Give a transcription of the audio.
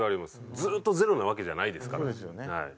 ずっとゼロなわけじゃないですから。